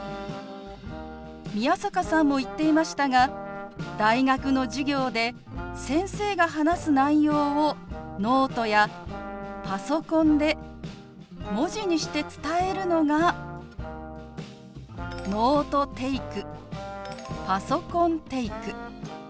宮坂さんも言っていましたが大学の授業で先生が話す内容をノートやパソコンで文字にして伝えるのが「ノートテイク」「パソコンテイク」。